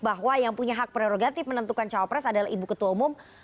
bahwa yang punya hak prerogatif menentukan cawapres adalah ibu ketua umum